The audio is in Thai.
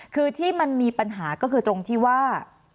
คือที่มันมีปัญหาก็คือตรงที่ว่า